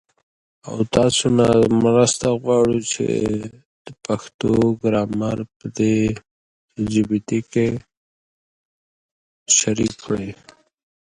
کولمو بکتریاوې د حافظې او چلند په اغېزمنولو کې مرسته کوي.